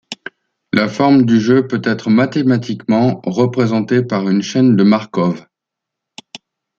La forme du jeu peut être mathématiquement représentée par une chaîne de Markov.